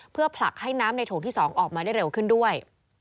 เพื่อผลักให้น้ำในโถงที่๒ออกมาได้เร็วขึ้นด้วย